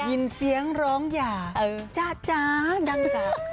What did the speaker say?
กลุ่มเสียงร้องหย่าจ้าจ้าดั่งจาก